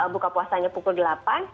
buka puasanya pukul delapan